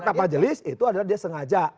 kata majelis itu adalah dia sengaja